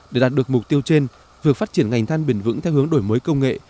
để đạt được mục tiêu trên việc phát triển ngành than bền vững theo hướng đổi mới công nghệ